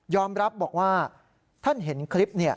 รับบอกว่าท่านเห็นคลิป